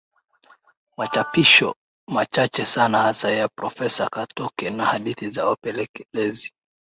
Machapisho machache sana hasa ya Profesa Katoke na hadithi za wapelelezi